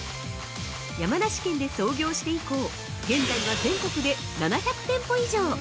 山梨県で創業して以降現在は全国で７００店舗以上。